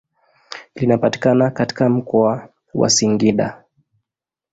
Linapatikana katika mkoa wa Singida.